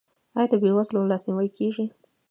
آیا د بې وزلو لاسنیوی کیږي؟